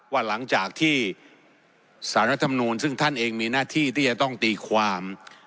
ว่าหลังจากที่สารรัฐมนูลซึ่งท่านเองมีหน้าที่ที่จะต้องตีความ